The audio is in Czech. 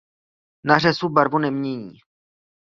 Na řezu barvu nemění.